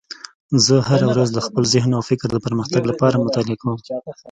زه هره ورځ د خپل ذهن او فکر د پرمختګ لپاره مطالعه کوم